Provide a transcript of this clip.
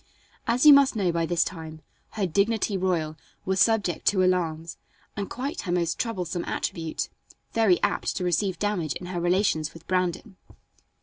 As you must know by this time, her "dignity royal" was subject to alarms, and quite her most troublesome attribute very apt to receive damage in her relations with Brandon.